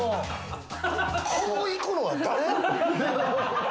こういくのは誰？